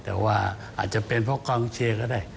อาจจะเป็นเพราะความเชียร์ก็ได้